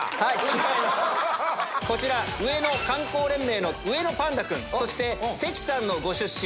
こちら上野観光連盟のうえのパンダくん関さんのご出身